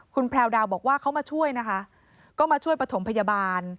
คุณแพรวดาวบอกว่าเขามาช่วยนะคะก็มาช่วยประถมพยาบาล